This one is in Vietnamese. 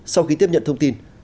sau khi tiếp nhận thông tin